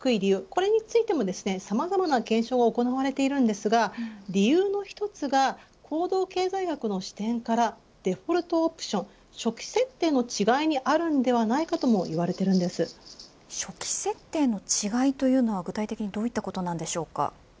これについてもさまざまな検証が行われているんですが理由の１つが行動経済学の視点からデフォルトオプション初期設定の違いにあるのでは初期設定の違いというのは具体的にどういったことなんでしょうか。